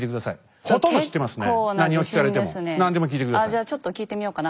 ああじゃちょっと聞いてみようかな。